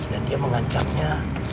dan dia mengancamnya